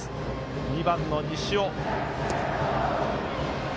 ２番の西尾。